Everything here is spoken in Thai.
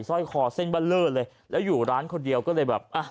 ร้อยคอเส้นเบอร์เลอร์เลยแล้วอยู่ร้านคนเดียวก็เลยแบบอ่ะ